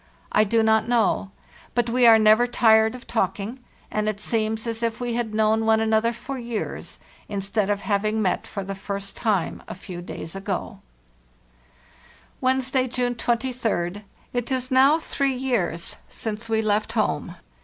I do not know; but we are never tired of talking, and it seems as if we had known o met for the first one another for years, instead of having time a few days ago. "Wednesday, June 23d. It is now three years since we left home.